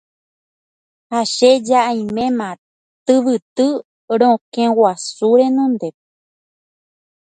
ha che ja aiméma tyvyty rokẽguasu renondépe.